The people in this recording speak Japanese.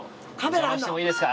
お邪魔してもいいですか？